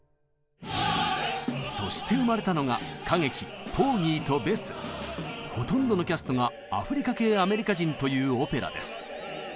そして生まれたのがほとんどのキャストがアフリカ系アメリカ人というオペラです。